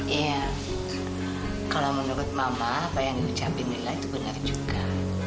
iya kalau menurut mama apa yang diucapin mila itu benar juga